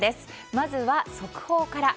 まずは速報から。